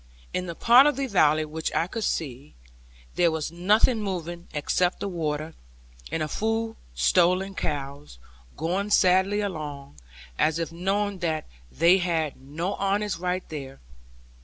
In the part of the valley which I could see, there was nothing moving, except the water, and a few stolen cows, going sadly along, as if knowing that they had no honest right there.